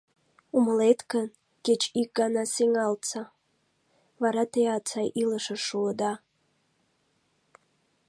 — Умылет гын, кеч ик гана сеҥалтса, вара теат сай илышыш шуыда.